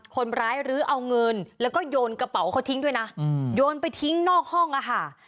คนร้ายรื้อเอาเงินแล้วก็โยนกระเป๋าเขาทิ้งด้วยนะโยนไปทิ้งนอกห้องอะค่ะ